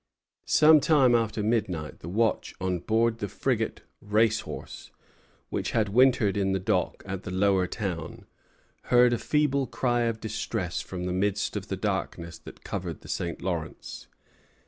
Some time after midnight the watch on board the frigate "Racehorse," which had wintered in the dock at the Lower Town, heard a feeble cry of distress from the midst of the darkness that covered the St. Lawrence.